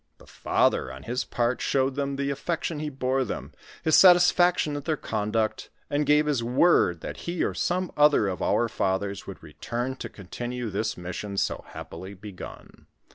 The father, on his part, showed them the affec tion he bore them, his satisfaction at their conduct, and gave his word that he or some other of our fathers would return to continue this mission so happily begun.